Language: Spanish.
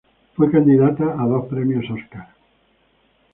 Fue candidata a dos premios Óscar.